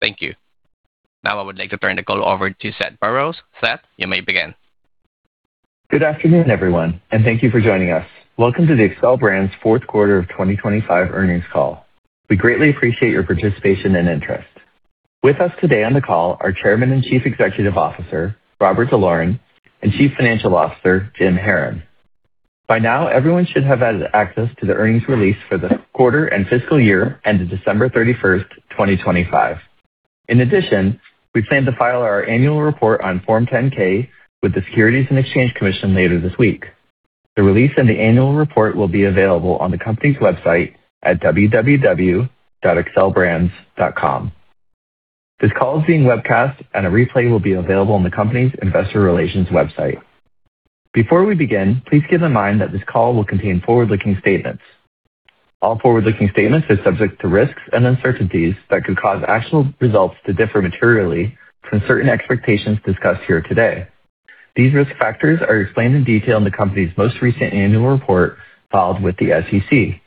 Thank you. Now I would like to turn the call over to Seth Burroughs. Seth, you may begin. Good afternoon, everyone, and thank you for joining us. Welcome to the Xcel Brands fourth quarter of 2025 earnings call. We greatly appreciate your participation and interest. With us today on the call are Chairman and Chief Executive Officer, Robert D'Loren, and Chief Financial Officer, Jim Haran. By now, everyone should have had access to the earnings release for the quarter and fiscal year ended December 31st, 2025. In addition, we plan to file our annual report on Form 10-K with the Securities and Exchange Commission later this week. The release and the annual report will be available on the company's website at www.xcelbrands.com. This call is being webcast, and a replay will be available on the company's investor relations website. Before we begin, please keep in mind that this call will contain forward-looking statements. All forward-looking statements are subject to risks and uncertainties that could cause actual results to differ materially from certain expectations discussed here today. These risk factors are explained in detail in the company's most recent annual report filed with the SEC.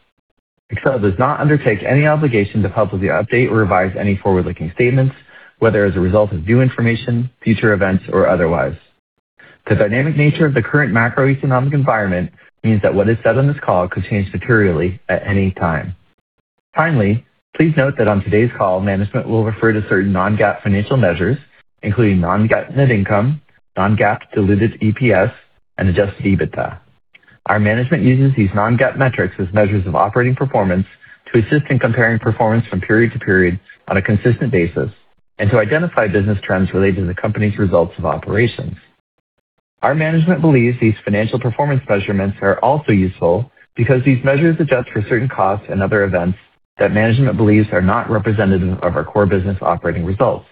Xcel does not undertake any obligation to publicly update or revise any forward-looking statements, whether as a result of new information, future events, or otherwise. The dynamic nature of the current macroeconomic environment means that what is said on this call could change materially at any time. Finally, please note that on today's call, management will refer to certain non-GAAP financial measures, including non-GAAP net income, non-GAAP diluted EPS, and adjusted EBITDA. Our management uses these non-GAAP metrics as measures of operating performance to assist in comparing performance from period to period on a consistent basis and to identify business trends related to the company's results of operations. Our management believes these financial performance measurements are also useful because these measures adjust for certain costs and other events that management believes are not representative of our core business operating results.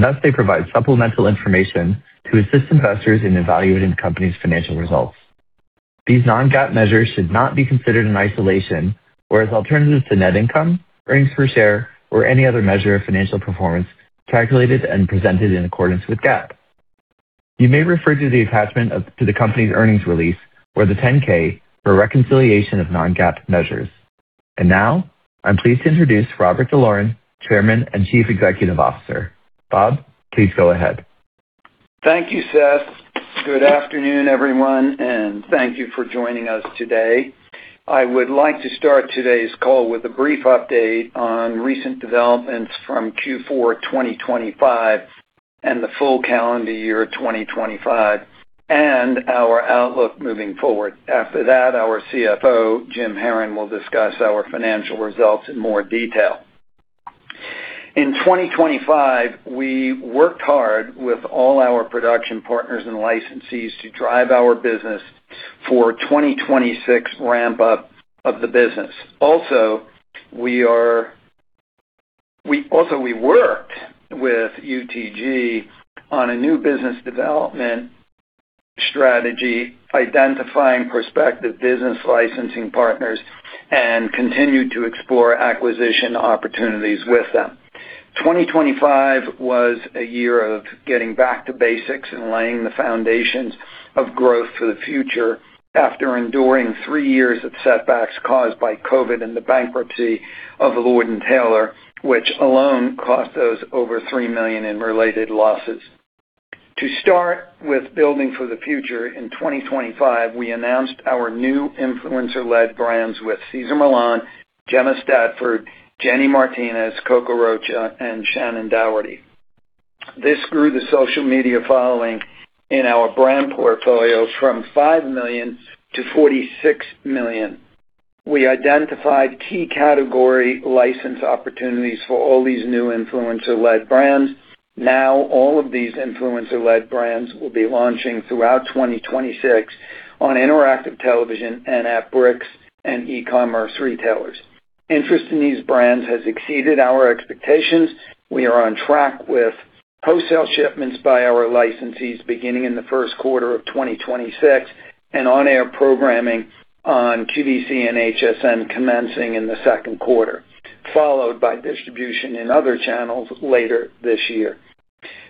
Thus, they provide supplemental information to assist investors in evaluating the company's financial results. These non-GAAP measures should not be considered in isolation or as alternatives to net income, earnings per share, or any other measure of financial performance calculated and presented in accordance with GAAP. You may refer to the attachment to the company's earnings release or the 10-K for a reconciliation of non-GAAP measures. Now I'm pleased to introduce Robert D'Loren, Chairman and Chief Executive Officer. Bob, please go ahead. Thank you, Seth. Good afternoon, everyone, and thank you for joining us today. I would like to start today's call with a brief update on recent developments from Q4 2025 and the full calendar year 2025, and our outlook moving forward. After that, our CFO, Jim Haran, will discuss our financial results in more detail. In 2025, we worked hard with all our production partners and licensees to drive our business for 2026 ramp-up of the business. Also, we worked with UTG on a new business development strategy, identifying prospective business licensing partners, and continued to explore acquisition opportunities with them. 2025 was a year of getting back to basics and laying the foundations of growth for the future after enduring three years of setbacks caused by COVID and the bankruptcy of Lord & Taylor, which alone cost us over $3 million in related losses. To start with building for the future, in 2025, we announced our new influencer-led brands with Cesar Millan, Gemma Stafford, Jenny Martinez, Coco Rocha, and Shannen Doherty. This grew the social media following in our brand portfolio from 5 million to 46 million. We identified key category license opportunities for all these new influencer-led brands. Now, all of these influencer-led brands will be launching throughout 2026 on interactive television and at bricks and e-commerce retailers. Interest in these brands has exceeded our expectations. We are on track with wholesale shipments by our licensees beginning in the first quarter of 2026 and on-air programming on QVC and HSN commencing in the second quarter, followed by distribution in other channels later this year.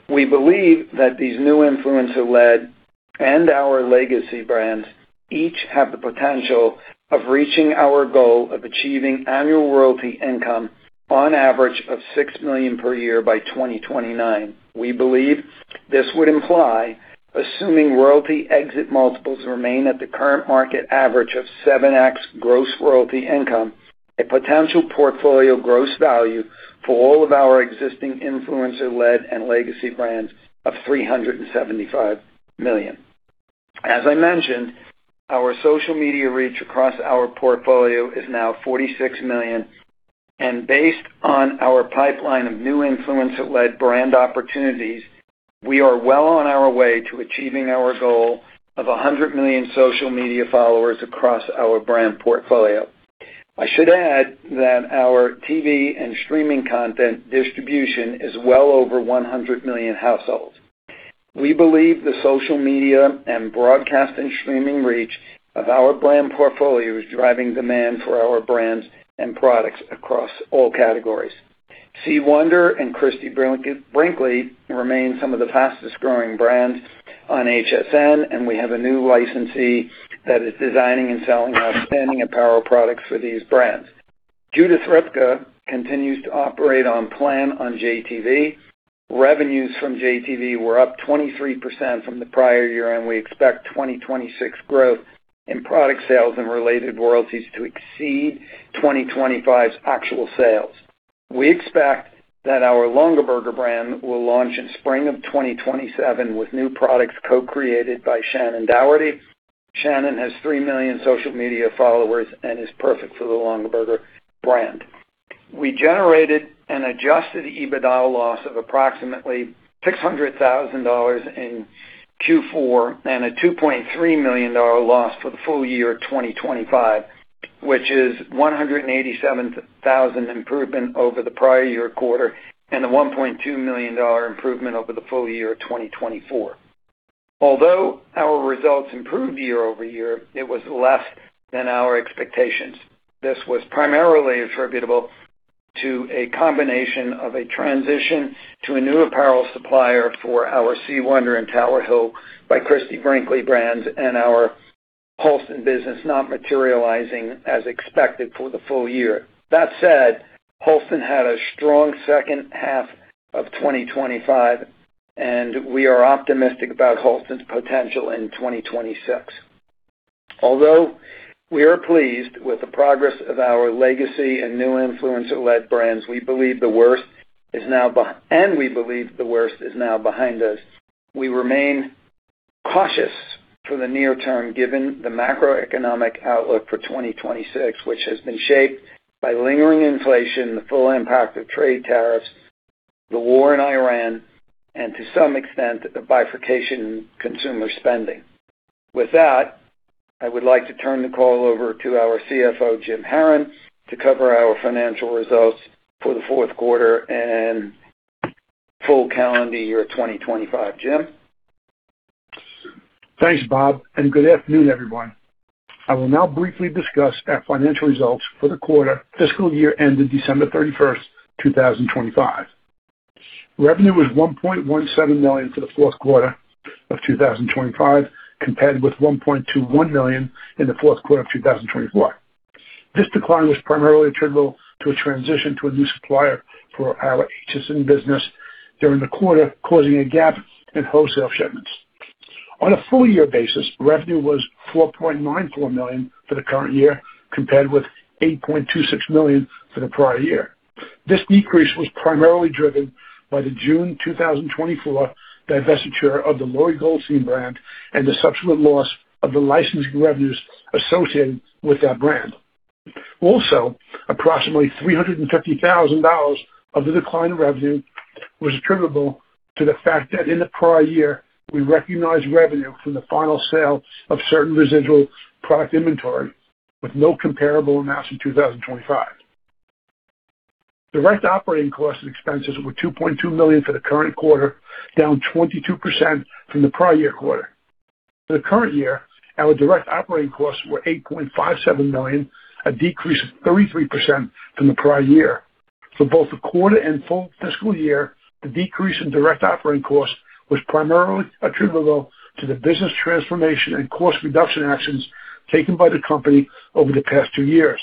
We believe that these new influencer-led and our legacy brands each have the potential of reaching our goal of achieving annual royalty income on average of $6 million per year by 2029. We believe this would imply, assuming royalty exit multiples remain at the current market average of 7x gross royalty income, a potential portfolio gross value for all of our existing influencer-led and legacy brands of $375 million. As I mentioned, our social media reach across our portfolio is now 46 million, and based on our pipeline of new influencer-led brand opportunities, we are well on our way to achieving our goal of 100 million social media followers across our brand portfolio. I should add that our TV and streaming content distribution is well over 100 million households. We believe the social media and broadcast and streaming reach of our brand portfolio is driving demand for our brands and products across all categories. C. Wonder and Christie Brinkley remain some of the fastest-growing brands on HSN, and we have a new licensee that is designing and selling outstanding apparel products for these brands. Judith Ripka continues to operate on plan on JTV. Revenues from JTV were up 23% from the prior year, and we expect 2026 growth in product sales and related royalties to exceed 2025's actual sales. We expect that our Longaberger brand will launch in spring of 2027 with new products co-created by Shannen Doherty. Shannen has three million social media followers and is perfect for the Longaberger brand. We generated an adjusted EBITDA loss of approximately $600,000 in Q4 and a $2.3 million loss for the full year 2025, which is a $187,000 improvement over the prior year quarter and a $1.2 million improvement over the full year of 2024. Although our results improved year-over-year, it was less than our expectations. This was primarily attributable to a combination of a transition to a new apparel supplier for our C. Wonder and Tower Hill by Christie Brinkley brands and our Halston business not materializing as expected for the full year. That said, Halston had a strong second half of 2025, and we are optimistic about Halston's potential in 2026. Although we are pleased with the progress of our legacy and new influencer-led brands, and we believe the worst is now behind us, we remain cautious for the near term given the macroeconomic outlook for 2026, which has been shaped by lingering inflation, the full impact of trade tariffs, the war in Iran, and to some extent, the bifurcated consumer spending. With that, I would like to turn the call over to our CFO, Jim Haran, to cover our financial results for the fourth quarter and full calendar year 2025. Jim? Thanks, Bob, and good afternoon, everyone. I will now briefly discuss our financial results for the quarter fiscal year ending December 31st, 2025. Revenue was $1.17 million for the fourth quarter of 2025, compared with $1.21 million in the fourth quarter of 2024. This decline was primarily attributable to a transition to a new supplier for our HSN business during the quarter, causing a gap in wholesale shipments. On a full year basis, revenue was $4.94 million for the current year, compared with $8.26 million for the prior year. This decrease was primarily driven by the June 2024 divestiture of the Lori Goldstein brand and the subsequent loss of the licensing revenues associated with that brand. Approximately $350,000 of the decline in revenue was attributable to the fact that in the prior year, we recognized revenue from the final sale of certain residual product inventory with no comparable amounts in 2025. Direct operating costs and expenses were $2.2 million for the current quarter, down 22% from the prior-year quarter. For the current year, our direct operating costs were $8.57 million, a decrease of 33% from the prior year. For both the quarter and full fiscal year, the decrease in direct operating costs was primarily attributable to the business transformation and cost reduction actions taken by the company over the past two years.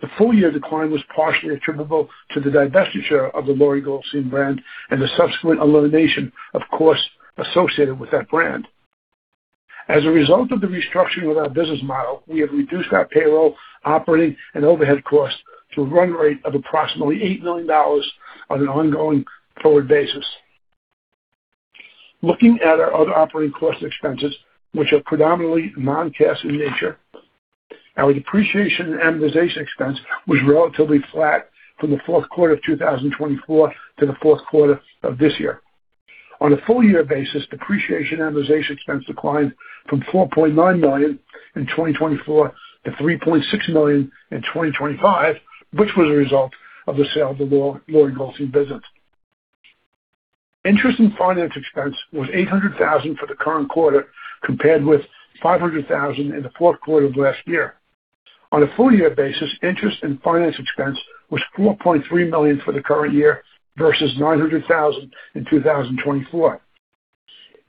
The full-year decline was partially attributable to the divestiture of the Lori Goldstein brand and the subsequent elimination of costs associated with that brand. As a result of the restructuring of our business model, we have reduced our payroll, operating, and overhead costs to a run rate of approximately $8 million on an ongoing forward basis. Looking at our other operating costs and expenses, which are predominantly non-cash in nature, our depreciation and amortization expense was relatively flat from the fourth quarter of 2024 to the fourth quarter of this year. On a full-year basis, depreciation and amortization expense declined from $4.9 million in 2024 to $3.6 million in 2025, which was a result of the sale of the Lori Goldstein business. Interest and finance expense was $800 thousand for the current quarter, compared with $500 thousand in the fourth quarter of last year. On a full-year basis, interest in finance expense was $4.3 million for the current year versus $900,000 in 2024.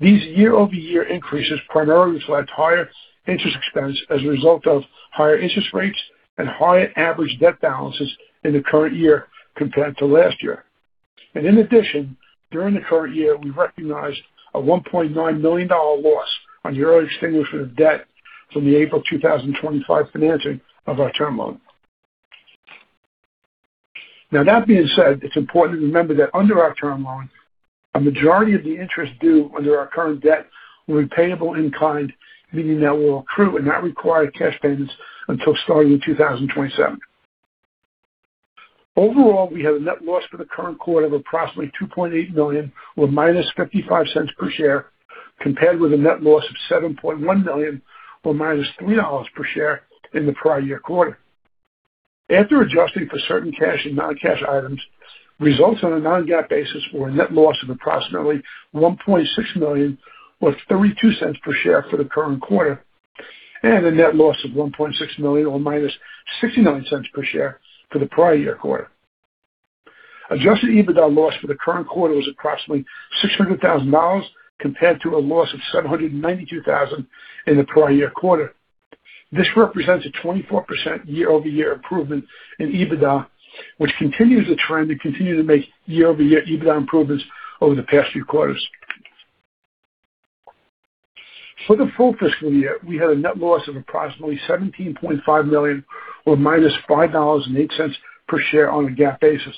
These year-over-year increases primarily reflect higher interest expense as a result of higher interest rates and higher average debt balances in the current year compared to last year. In addition, during the current year, we recognized a $1.9 million loss on the early extinguishment of debt from the April 2025 financing of our term loan. Now, that being said, it's important to remember that under our term loan, a majority of the interest due under our current debt will be payable in kind, meaning that will accrue and not require cash payments until starting in 2027. Overall, we had a net loss for the current quarter of approximately $2.8 million or -$0.55 per share, compared with a net loss of $7.1 million or -$3 per share in the prior year quarter. After adjusting for certain cash and non-cash items, results on a non-GAAP basis were a net loss of approximately $1.6 million or $0.32 per share for the current quarter, and a net loss of $1.6 million or -$0.69 per share for the prior year quarter. Adjusted EBITDA loss for the current quarter was approximately $600,000, compared to a loss of $792,000 in the prior year quarter. This represents a 24% year-over-year improvement in EBITDA, which continues the trend to continue to make year-over-year EBITDA improvements over the past few quarters. For the full fiscal year, we had a net loss of approximately $17.5 million or -$5.08 per share on a GAAP basis,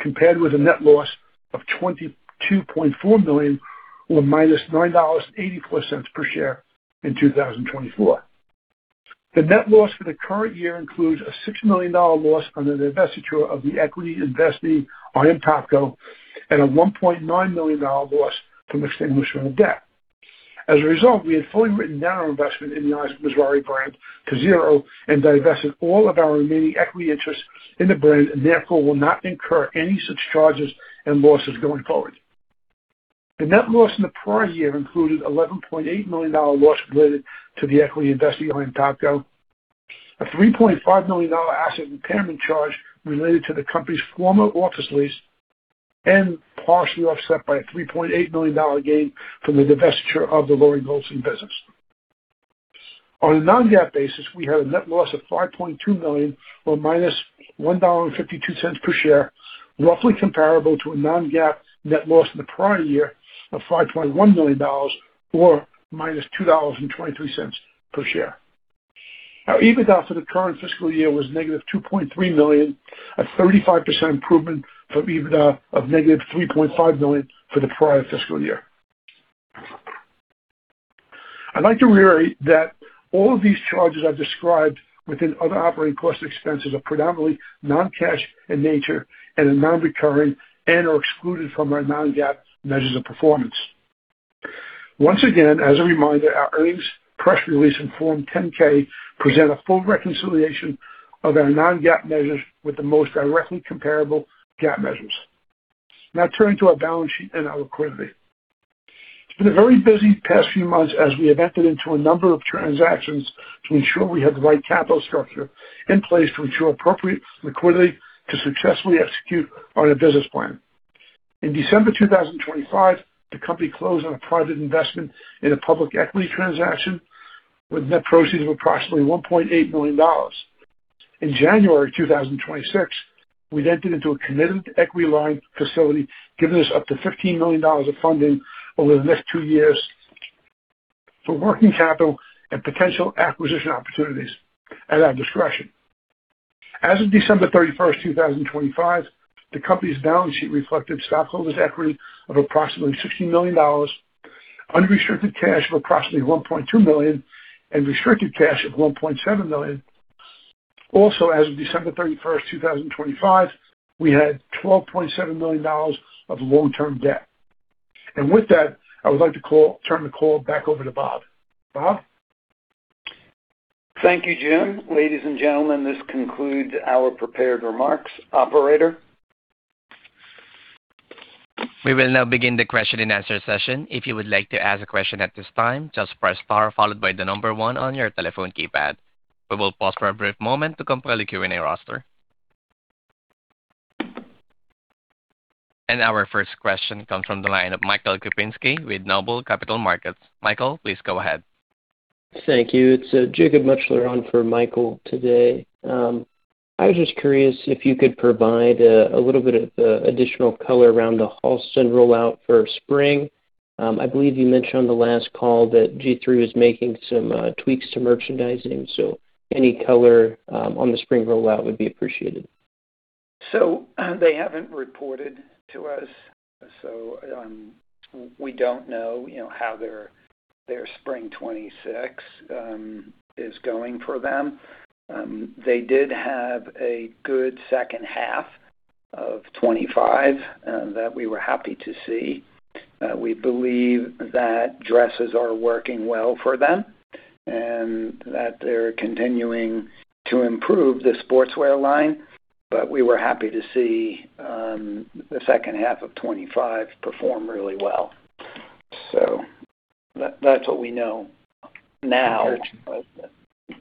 compared with a net loss of $22.4 million or -$9.84 per share in 2024. The net loss for the current year includes a $6 million loss under the divestiture of the equity investee IM Topco and a $1.9 million loss from extinguishment of debt. As a result, we had fully written down our investment in the Isaac Mizrahi brand to zero and divested all of our remaining equity interest in the brand and therefore will not incur any such charges and losses going forward. The net loss in the prior year included $11.8 million loss related to the equity investee IM Topco, a $3.5 million asset impairment charge related to the company's former office lease, and partially offset by a $3.8 million gain from the divestiture of the Lori Goldstein business. On a non-GAAP basis, we had a net loss of $5.2 million or -$1.52 per share, roughly comparable to a non-GAAP net loss in the prior year of $5.1 million or -$2.23 per share. Our EBITDA for the current fiscal year was -$2.3 million, a 35% improvement from EBITDA of -$3.5 million for the prior fiscal year. I'd like to reiterate that all of these charges I've described within other operating cost expenses are predominantly non-cash in nature and are non-recurring and/or excluded from our non-GAAP measures of performance. Once again, as a reminder, our earnings press release and Form 10-K present a full reconciliation of our non-GAAP measures with the most directly comparable GAAP measures. Now turning to our balance sheet and our liquidity. It's been a very busy past few months as we have entered into a number of transactions to ensure we have the right capital structure in place to ensure appropriate liquidity to successfully execute on our business plan. In December 2025, the company closed on a private investment in a public equity transaction with net proceeds of approximately $1.8 million. In January 2026, we entered into a committed equity line facility, giving us up to $15 million of funding over the next two years for working capital and potential acquisition opportunities at our discretion. As of December 31st, 2025, the company's balance sheet reflected stockholders' equity of approximately $16 million, unrestricted cash of approximately $1.2 million, and restricted cash of $1.7 million. Also, as of December 31st, 2025, we had $12.7 million of long-term debt. With that, I would like to turn the call back over to Bob. Bob? Thank you, Jim. Ladies and gentlemen, this concludes our prepared remarks. Operator? We will now begin the question-and-answer session. If you would like to ask a question at this time, just press star followed by the number one on your telephone keypad. We will pause for a brief moment to compile a Q&A roster. Our first question comes from the line of Michael Kupinski with Noble Capital Markets. Michael, please go ahead. Thank you. It's Jacob Mutchler on for Michael today. I was just curious if you could provide a little bit of additional color around the Halston rollout for spring. I believe you mentioned on the last call that G-III was making some tweaks to merchandising. Any color on the spring rollout would be appreciated. They haven't reported to us, so we don't know how their spring 2026 is going for them. They did have a good second half of 2025 that we were happy to see. We believe that dresses are working well for them and that they're continuing to improve the sportswear line, but we were happy to see the second half of 2025 perform really well. That's what we know now.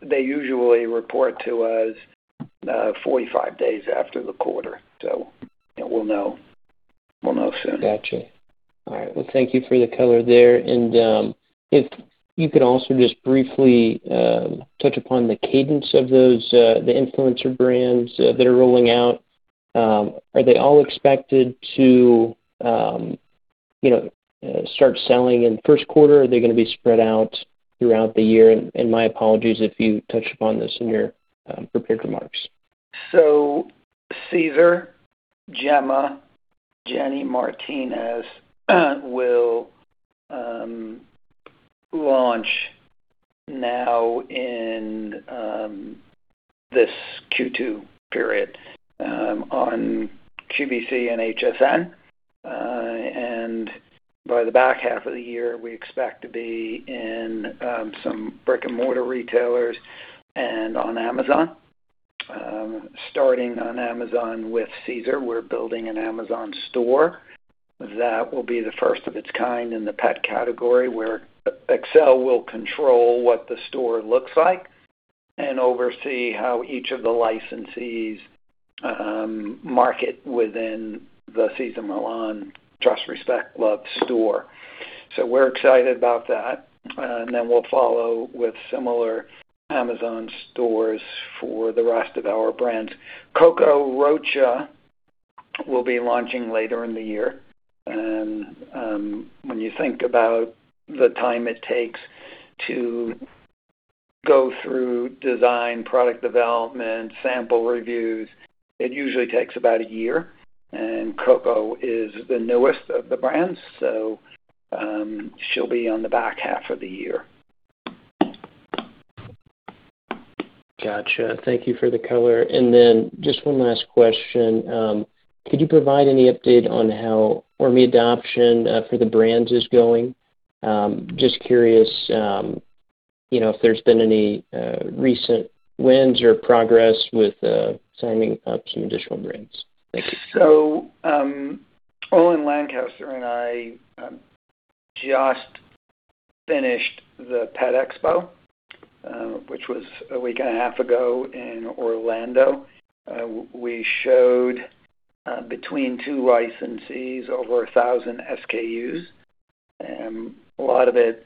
They usually report to us 45 days after the quarter. We'll know soon. Got you. All right. Well, thank you for the color there. If you could also just briefly touch upon the cadence of the influencer brands that are rolling out. Are they all expected to start selling in the first quarter? Are they going to be spread out throughout the year? My apologies if you touched upon this in your prepared remarks. Cesar, Gemma, Jenny Martinez will launch now in this Q2 period on QVC and HSN. By the back half of the year, we expect to be in some brick-and-mortar retailers and on Amazon. Starting on Amazon with Cesar, we're building an Amazon store that will be the first of its kind in the pet category, where Xcel will control what the store looks like and oversee how each of the licensees market within the Cesar Millan Trust. Respect. Love store. We're excited about that. Then we'll follow with similar Amazon stores for the rest of our brands. Coco Rocha will be launching later in the year. When you think about the time it takes to go through design, product development, sample reviews, it usually takes about a year. Coco is the newest of the brands, so she'll be on the back half of the year. Got you. Thank you for the color. Just one last question. Could you provide any update on how our adoption for the brands is going? Just curious if there's been any recent wins or progress with signing up some additional brands. Thank you. Olin Lancaster and I just finished the Global Pet Expo, which was a week and a half ago in Orlando. We showed between two licensees over 1,000 SKUs. A lot of it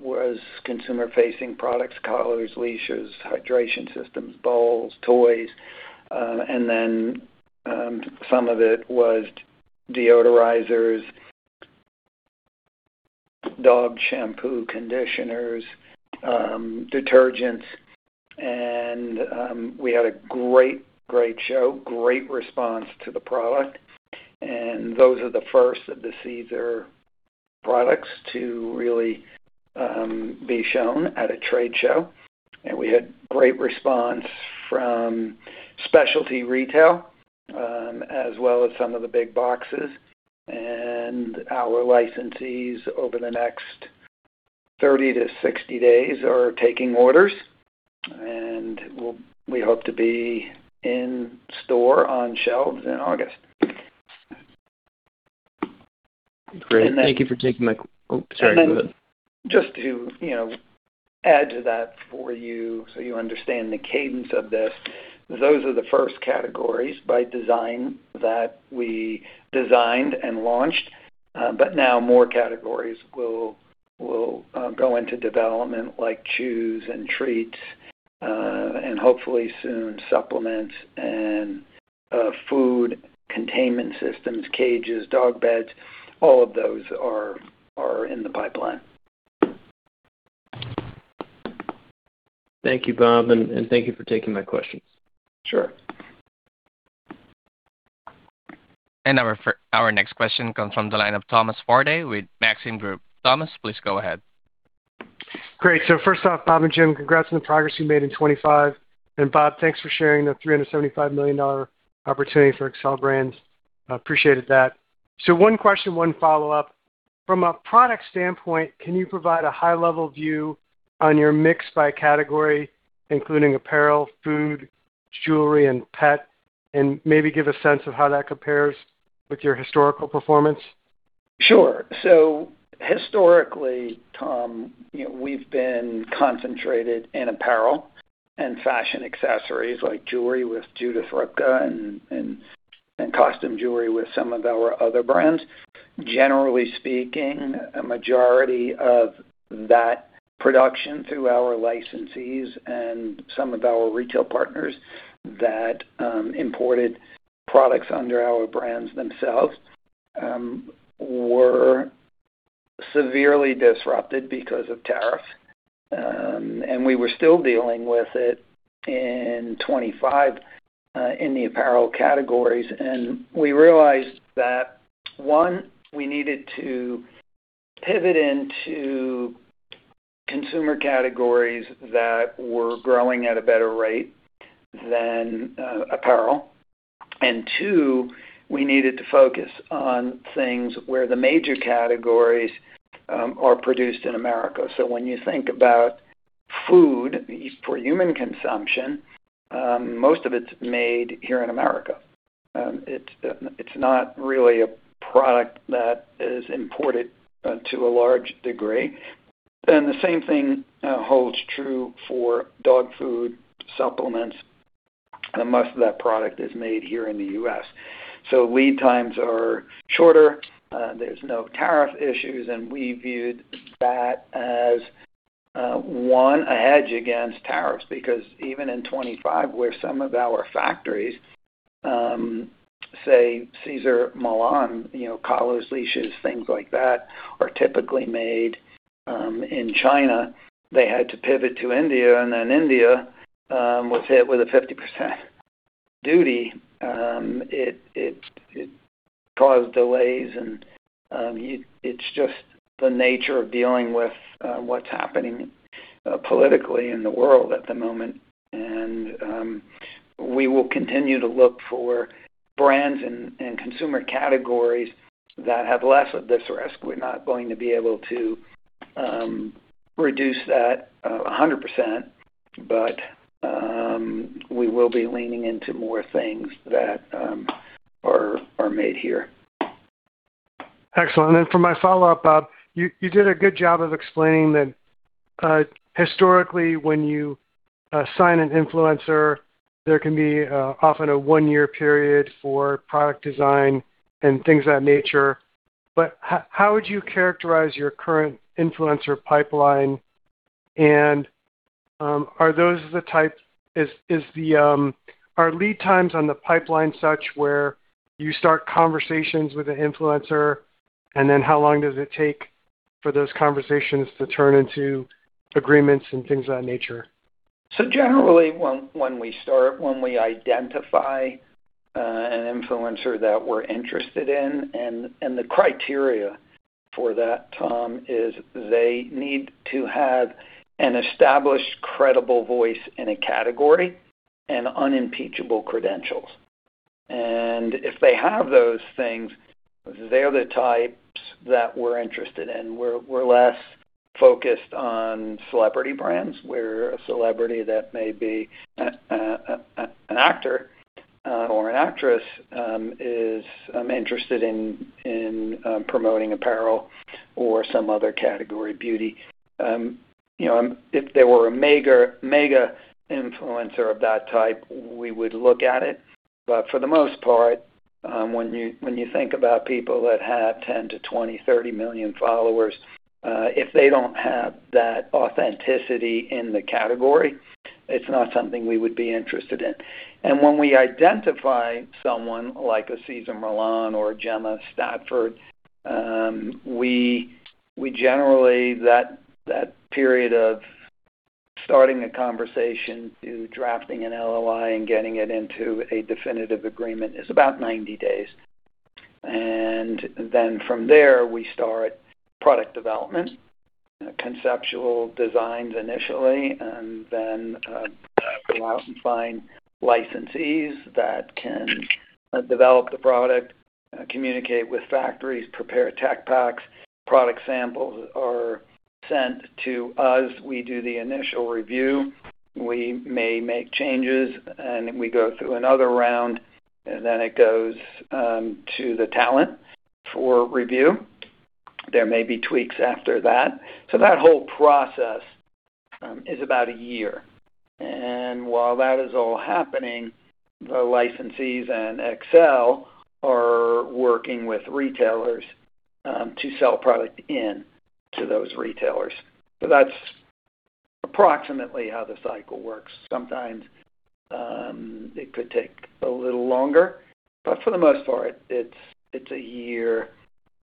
was consumer-facing products, collars, leashes, hydration systems, bowls, toys. Some of it was deodorizers, dog shampoo, conditioners, detergents. We had a great show, great response to the product. Those are the first of the Cesar products to really be shown at a trade show. We had great response from specialty retail as well as some of the big boxes. Our licensees over the next 30 days-60 days are taking orders, and we hope to be in store on shelves in August. Great. Oh, sorry. Go ahead. Then just to add to that for you so you understand the cadence of this, those are the first categories by design that we designed and launched. Now more categories will go into development like chews and treats, and hopefully soon supplements and food containment systems, cages, dog beds. All of those are in the pipeline. Thank you, Bob, and thank you for taking my questions. Sure. Our next question comes from the line of Thomas Forte with Maxim Group. Thomas, please go ahead. Great. First off, Bob and Jim, congrats on the progress you made in 2025. Bob, thanks for sharing the $375 million opportunity for Xcel Brands. I appreciated that. One question, one follow-up. From a product standpoint, can you provide a high-level view on your mix by category, including apparel, food, jewelry, and pet, and maybe give a sense of how that compares with your historical performance? Sure. Historically, Tom, we've been concentrated in apparel and fashion accessories like jewelry with Judith Ripka and custom jewelry with some of our other brands. Generally speaking, a majority of that production through our licensees and some of our retail partners that imported products under our brands themselves were severely disrupted because of tariffs. We were still dealing with it in 2025 in the apparel categories. We realized that, one, we needed to pivot into consumer categories that were growing at a better rate than apparel. Two, we needed to focus on things where the major categories are produced in America. When you think about food for human consumption, most of it's made here in America. It's not really a product that is imported to a large degree. The same thing holds true for dog food supplements, and most of that product is made here in the U.S. Lead times are shorter, there's no tariff issues, and we viewed that as one, a hedge against tariffs because even in 2025 where some of our factories, say Cesar Millan, collars, leashes, things like that are typically made in China. They had to pivot to India, and then India was hit with a 50% duty. It caused delays, and it's just the nature of dealing with what's happening politically in the world at the moment. We will continue to look for brands and consumer categories that have less of this risk. We're not going to be able to reduce that 100%, but we will be leaning into more things that are made here. Excellent. For my follow-up, Bob, you did a good job of explaining that historically, when you sign an influencer, there can be often a one-year period for product design and things of that nature. How would you characterize your current influencer pipeline? Are lead times on the pipeline such where you start conversations with an influencer, and then how long does it take for those conversations to turn into agreements and things of that nature? Generally, when we start, when we identify an influencer that we're interested in, and the criteria for that, Tom, is they need to have an established, credible voice in a category and unimpeachable credentials. If they have those things, they're the types that we're interested in. We're less focused on celebrity brands where a celebrity that may be an actor or an actress is interested in promoting apparel or some other category, beauty. If they were a mega influencer of that type, we would look at it. For the most part, when you think about people that have 10 million-20 million, 30 million followers, if they don't have that authenticity in the category, it's not something we would be interested in. When we identify someone like a Cesar Millan or Gemma Stafford, we generally, that period of starting a conversation to drafting an LOI and getting it into a definitive agreement is about 90 days. From there, we start product development, conceptual designs initially, and then go out and find licensees that can develop the product, communicate with factories, prepare tech packs. Product samples are sent to us. We do the initial review. We may make changes, and we go through another round, and then it goes to the talent for review. There may be tweaks after that. That whole process is about a year. While that is all happening, the licensees and Xcel are working with retailers to sell product into those retailers. That's approximately how the cycle works. Sometimes it could take a little longer, but for the most part, it's a year.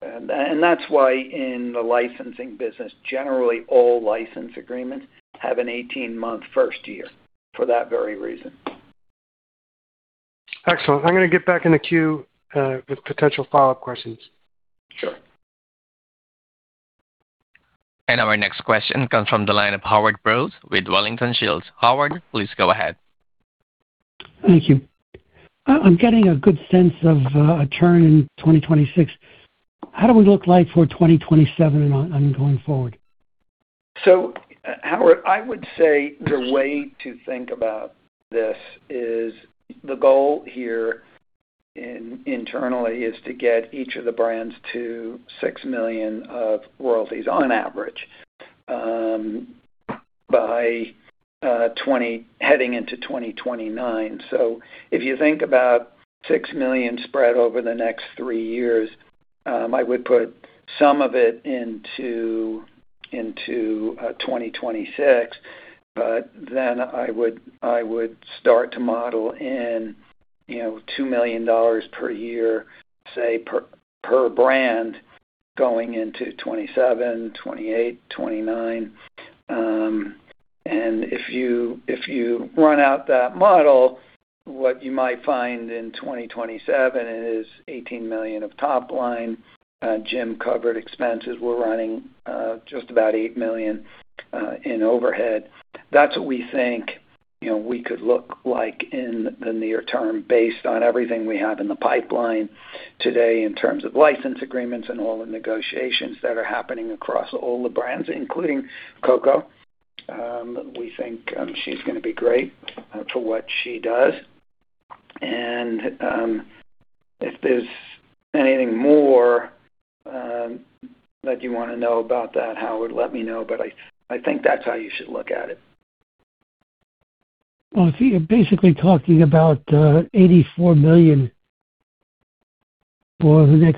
That's why in the licensing business, generally all license agreements have an 18-month first year for that very reason. Excellent. I'm going to get back in the queue with potential follow-up questions. Sure. Our next question comes from the line of Howard Brous with Wellington Shields. Howard, please go ahead. Thank you. I'm getting a good sense of a turn in 2026. How do we look like for 2027 and ongoing forward? Howard, I would say the way to think about this is the goal here internally is to get each of the brands to $6 million of royalties on average heading into 2029. If you think about $6 million spread over the next three years, I would put some of it into 2026. I would start to model in $2 million per year, say, per brand, going into 2027, 2028, 2029. If you run out that model, what you might find in 2027 is $18 million of top line. Jim covered expenses. We're running just about $8 million in overhead. That's what we think we could look like in the near term based on everything we have in the pipeline today in terms of license agreements and all the negotiations that are happening across all the brands, including Coco. We think she's going to be great for what she does. If there's anything more that you want to know about that, Howard, let me know. I think that's how you should look at it. Well, you're basically talking about $84 million for this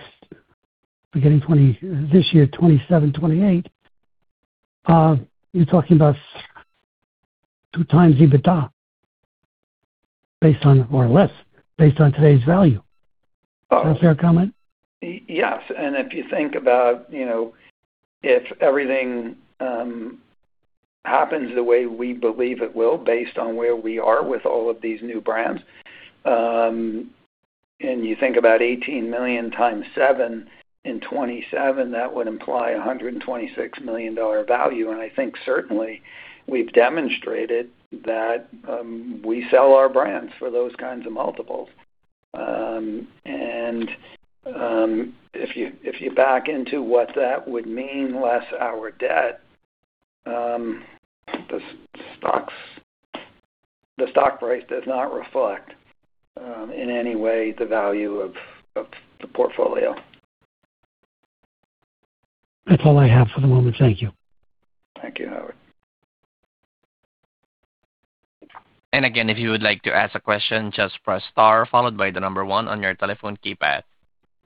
year, 2027, 2028. You're talking about 2x EBITDA, more or less, based on today's value. Is that a fair comment? Yes. If you think about if everything happens the way we believe it will, based on where we are with all of these new brands, and you think about 18 million x 7 in 2027, that would imply $126 million value. I think certainly we've demonstrated that we sell our brands for those kinds of multiples. If you back into what that would mean, less our debt, the stock's. The stock price does not reflect, in any way, the value of the portfolio. That's all I have for the moment. Thank you. Thank you, Howard. Again, if you would like to ask a question, just press star followed by the number one on your telephone keypad.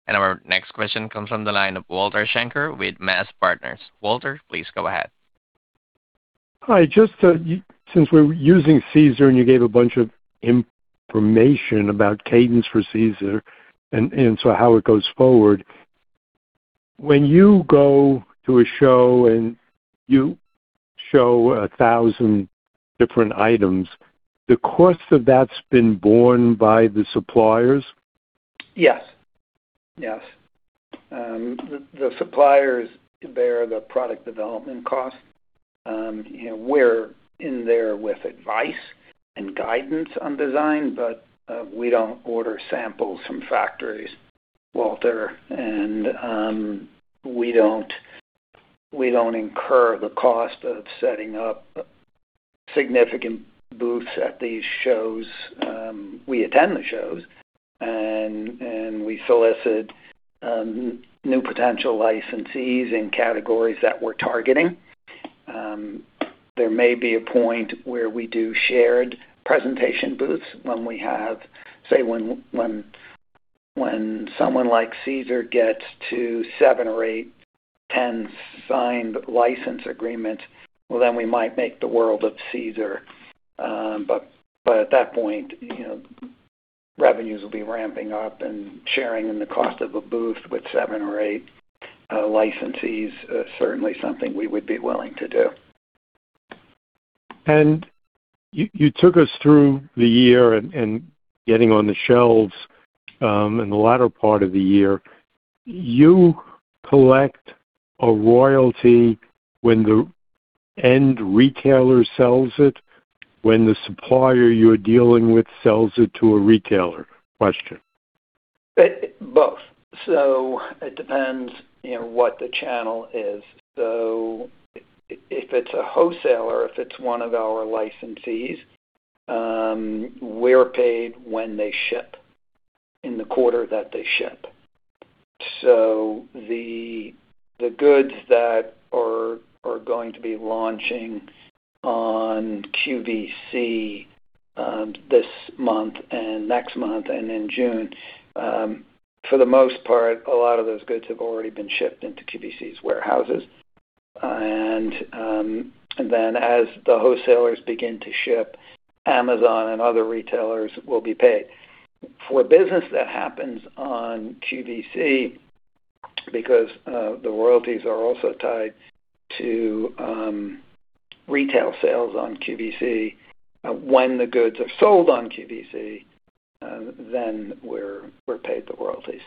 Our next question comes from the line of Walter Schenker with MAZ Partners. Walter, please go ahead. Hi. Just since we're using Cesar and you gave a bunch of information about cadence for Cesar and so how it goes forward, when you go to a show and you show 1,000 different items, the cost of that's been borne by the suppliers? Yes. The suppliers bear the product development cost. We're in there with advice and guidance on design, but we don't order samples from factories, Walter, and we don't incur the cost of setting up significant booths at these shows. We attend the shows, and we solicit new potential licensees in categories that we're targeting. There may be a point where we do shared presentation booths when we have, say when someone like Cesar gets to 7 or 8, 10 signed license agreements, well, then we might make the world of Cesar. At that point, revenues will be ramping up and sharing in the cost of a booth with 7 or 8 licensees, certainly something we would be willing to do. You took us through the year and getting on the shelves in the latter part of the year. You collect a royalty when the end retailer sells it, when the supplier you're dealing with sells it to a retailer? Question. Both. It depends what the channel is. If it's a wholesaler, if it's one of our licensees, we're paid when they ship, in the quarter that they ship. The goods that are going to be launching on QVC this month and next month and in June, for the most part, a lot of those goods have already been shipped into QVC's warehouses. Then as the wholesalers begin to ship, Amazon and other retailers will be paid. For business that happens on QVC, because the royalties are also tied to retail sales on QVC, when the goods are sold on QVC, then we're paid the royalties.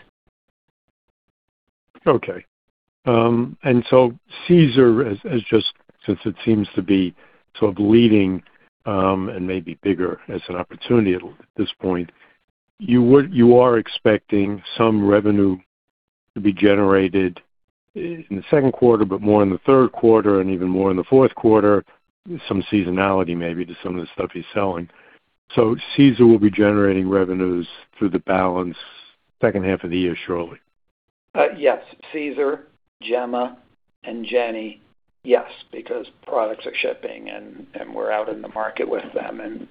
Okay. Cesar, since it seems to be sort of leading, and maybe bigger as an opportunity at this point, you are expecting some revenue to be generated in the second quarter, but more in the third quarter and even more in the fourth quarter, some seasonality maybe to some of the stuff he's selling. Cesar will be generating revenues through the balance of the second half of the year, surely. Yes. Cesar, Gemma, and Jenny, yes, because products are shipping, and we're out in the market with them.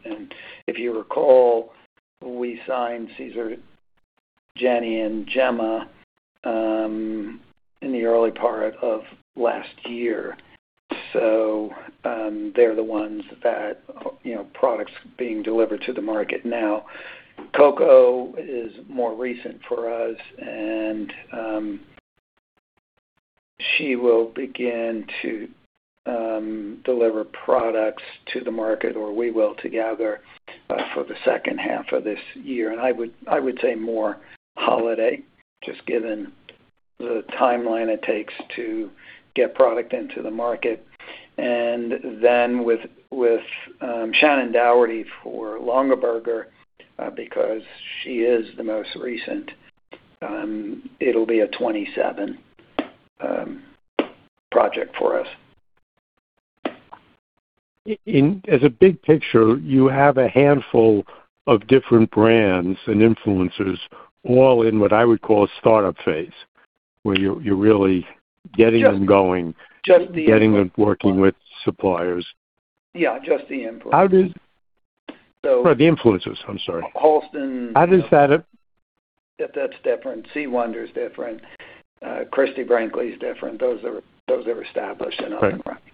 If you recall, we signed Cesar, Jenny, and Gemma in the early part of last year. They're the ones that products being delivered to the market now. Coco is more recent for us, and she will begin to deliver products to the market, or we will together, for the second half of this year. I would say more holiday, just given the timeline it takes to get product into the market. Then with Shannen Doherty for Longaberger, because she is the most recent, it'll be a 2027 project for us. As a big picture, you have a handful of different brands and influencers all in what I would call a startup phase, where you're really getting them going. Just the influencers. Getting them working with suppliers. Yeah, just the influencers. The influencers, I'm sorry. Halston- How does that? That's different. C. Wonder's different. Christie Brinkley is different. Those are established and up and running. Right.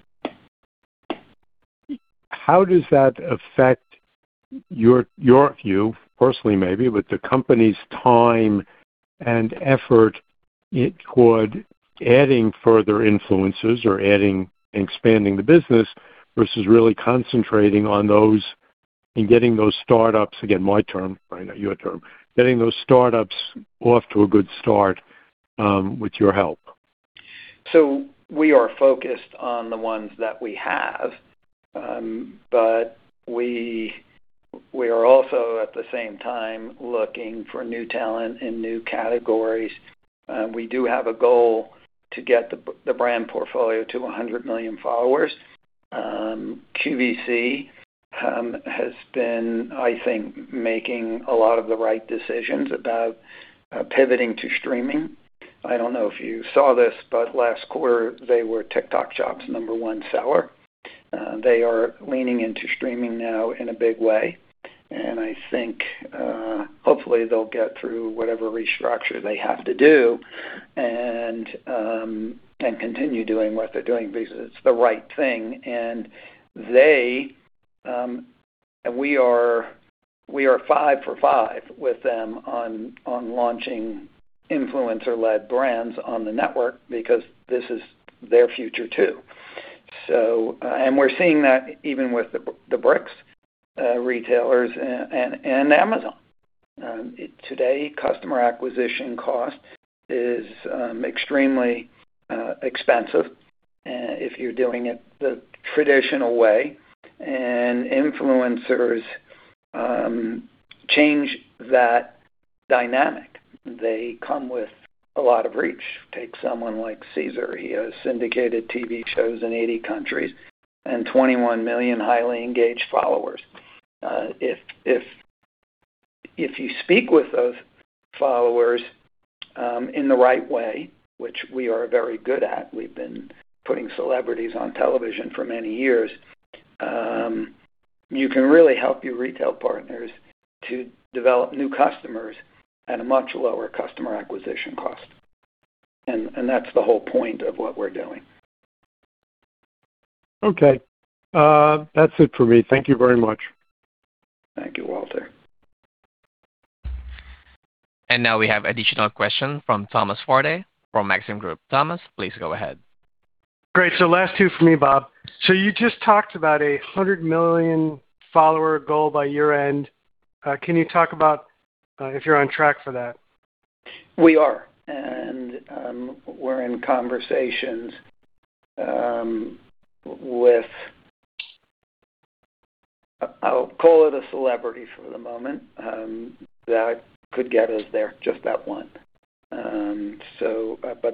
How does that affect your view, personally maybe, with the company's time and effort toward adding further influencers or adding expanding the business versus really concentrating on those and getting those startups, again, my term, not your term, getting those startups off to a good start with your help? We are focused on the ones that we have. We are also at the same time looking for new talent in new categories. We do have a goal to get the brand portfolio to 100 million followers. QVC has been, I think, making a lot of the right decisions about pivoting to streaming. I don't know if you saw this, but last quarter they were TikTok shop's number one seller. They are leaning into streaming now in a big way, and I think, hopefully they'll get through whatever restructure they have to do and continue doing what they're doing because it's the right thing. We are five for five with them on launching influencer-led brands on the network because this is their future too. We're seeing that even with the brick retailers and Amazon. Today, customer acquisition cost is extremely expensive, if you're doing it the traditional way. Influencers change that dynamic. They come with a lot of reach. Take someone like Cesar. He has syndicated TV shows in 80 countries and 21 million highly engaged followers. If you speak with those followers in the right way, which we are very good at, we've been putting celebrities on television for many years, you can really help your retail partners to develop new customers at a much lower customer acquisition cost. That's the whole point of what we're doing. Okay. That's it for me. Thank you very much. Thank you, Walter. Now we have additional question from Thomas Forte from Maxim Group. Thomas, please go ahead. Great. Last two for me, Bob. You just talked about 100 million follower goal by year-end. Can you talk about if you're on track for that? We are. We're in conversations with, I'll call it a celebrity for the moment, that could get us there, just that one.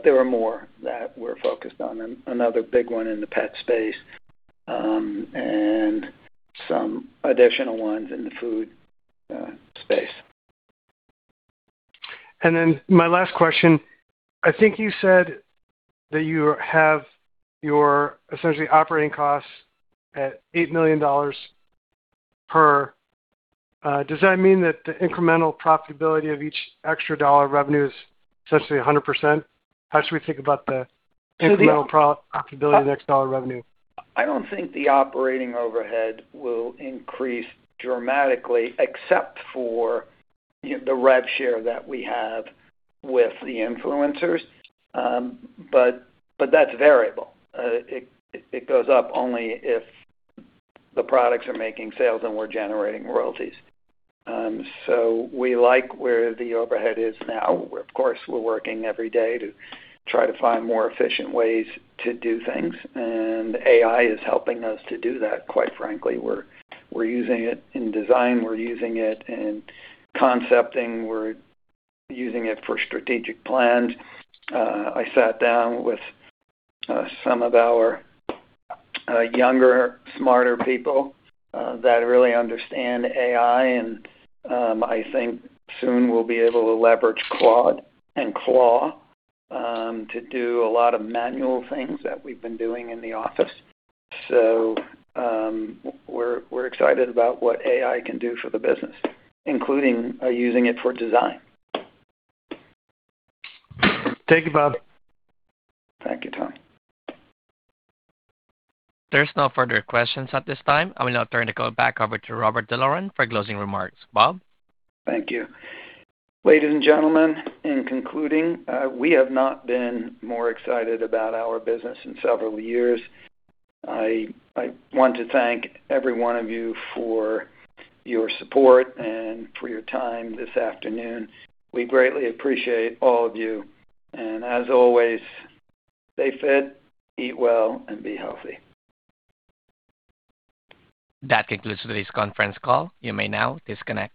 There are more that we're focused on, another big one in the pet space, and some additional ones in the food space. My last question, I think you said that you have your, essentially operating costs at $8 million per. Does that mean that the incremental profitability of each extra dollar of revenue is essentially 100%? How should we think about the incremental profitability of the next dollar of revenue? I don't think the operating overhead will increase dramatically except for the rev share that we have with the influencers. That's variable. It goes up only if the products are making sales and we're generating royalties. We like where the overhead is now. Of course, we're working every day to try to find more efficient ways to do things, and AI is helping us to do that, quite frankly. We're using it in design, we're using it in concepting, we're using it for strategic plans. I sat down with some of our younger, smarter people that really understand AI and I think soon we'll be able to leverage Claude and Claw to do a lot of manual things that we've been doing in the office. We're excited about what AI can do for the business, including using it for design. Thank you, Bob. Thank you, Tom. There's no further questions at this time. I will now turn the call back over to Robert D'Loren for closing remarks. Bob? Thank you. Ladies and gentlemen, in concluding, we have not been more excited about our business in several years. I want to thank every one of you for your support and for your time this afternoon. We greatly appreciate all of you. As always, stay fit, eat well, and be healthy. That concludes today's conference call. You may now disconnect.